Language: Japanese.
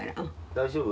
大丈夫？